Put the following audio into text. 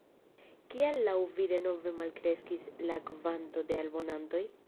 Kial laŭ vi denove malkreskis la kvanto de abonantoj?